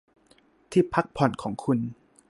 ที่พักผ่อนของคุณ